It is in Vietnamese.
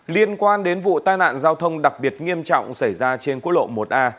liên quan đến vụ tai nạn giao thông đặc biệt nghiêm trọng xảy ra trên quốc lộ một a